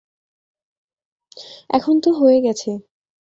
এখন তো হয়ে গেছে।